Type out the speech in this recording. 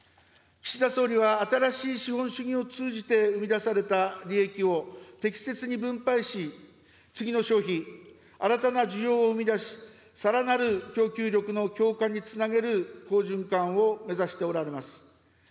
岸田総理は、新しい資本主義を通じて生み出された利益を適切に分配し、次の消費、新たな需要を生み出し、さらなる供給力の強化につなげる好循環を目指しておられます。